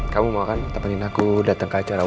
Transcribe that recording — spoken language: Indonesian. kamu mau kan temenin aku datang ke acara